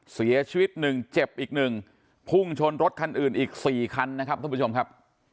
เสียชีวิตหนึ่งเจ็บอีกหนึ่งพุ่งชนรถคันอื่นอีก๔คันนะครับท่านผู้ชมครับ